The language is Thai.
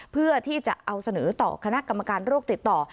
เพื่อที่จะเอาเสนอต่อคณะกรรมการโรคติดต่อ